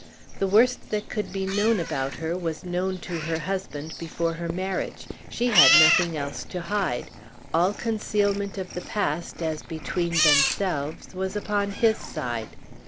The worst that could be known about her was known to her husband before her marriage; she had nothing else to hide; all concealment of the past, as between themselves, was upon his side.